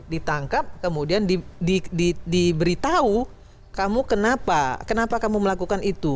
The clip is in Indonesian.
ditangkap kemudian diberitahu kamu kenapa kenapa kamu melakukan itu